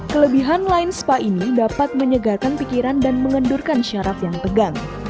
kelebihan line spa ini dapat menyegarkan pikiran dan mengendurkan syarat yang tegang